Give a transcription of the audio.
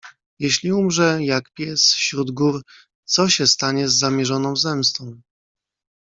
"Jeśli umrze, jak pies, śród gór, co się stanie z zamierzoną zemstą?"